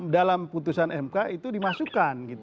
dalam putusan mk itu dimasukkan